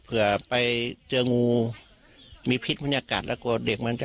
เผื่อไปเจองูมีพิษบรรยากาศแล้วกลัวเด็กมันจะ